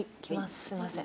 すみません。